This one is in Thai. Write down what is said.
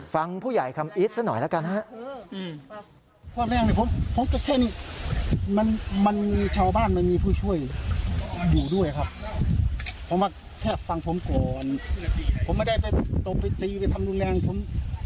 ฟังผู้ใหญ่คำอิสสักหน่อยละกัน